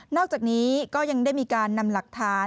อกจากนี้ก็ยังได้มีการนำหลักฐาน